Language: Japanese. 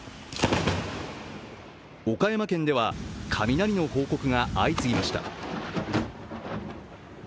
岡山県では雷の報告が相次ぎました。